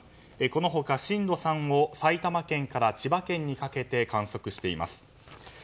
この他、震度３を埼玉県から千葉県にかけて観測しています。